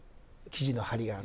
生地の張りがある。